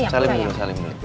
salim dulu salim dulu